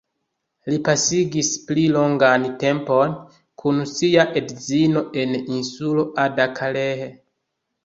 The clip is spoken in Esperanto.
Li pasigis pli longan tempon kun sia edzino en insulo Ada-Kaleh.